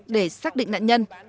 để xác định nạn nhân